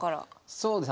そうです。